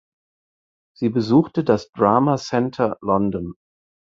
Sie besuchte das Drama Centre London.